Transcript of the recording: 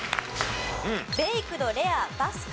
ベイクドレアバスク。